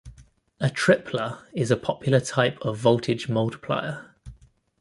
A tripler is a popular type of voltage multiplier.